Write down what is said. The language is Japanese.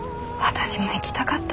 私も行きたかった。